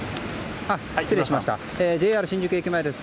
ＪＲ新宿駅前です。